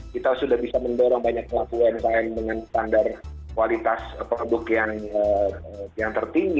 kita sudah bisa mendorong banyak pelaku umkm dengan standar kualitas produk yang tertinggi